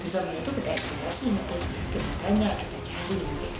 di sana itu kita eksplorasi kita tanya kita cari